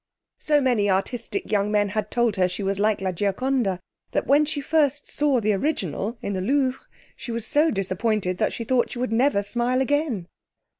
So many artistic young men had told her she was like La Gioconda, that when she first saw the original in the Louvre she was so disappointed that she thought she would never smile again.